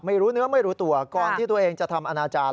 ไม่รู้เนื้อไม่รู้ตัวก่อนที่ตัวเองจะทำอนาจารย์